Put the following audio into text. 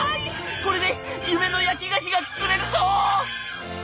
これで夢の焼き菓子が作れるぞ！」。